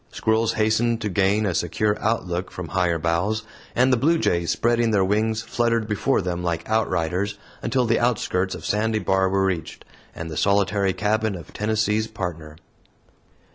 Squirrels hastened to gain a secure outlook from higher boughs; and the bluejays, spreading their wings, fluttered before them like outriders, until the outskirts of Sandy Bar were reached, and the solitary cabin of Tennessee's Partner.